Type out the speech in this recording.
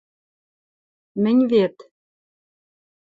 Мӹнь вет